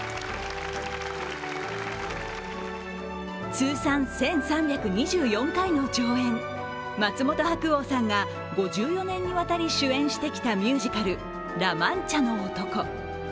通算１３２４回の上演、松本白鸚さんが５４年にわたり主演してきたミュージカル「ラ・マンチャの男」。